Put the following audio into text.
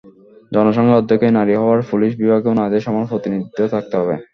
জনসংখ্যার অর্ধেকই নারী হওয়ায় পুলিশ বিভাগেও নারীদের সমান প্রতিনিধিত্ব থাকতে হবে।